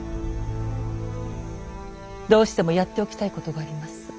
どうしてもやっておきたいことがあります。